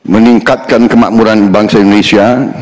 meningkatkan kemakmuran bangsa indonesia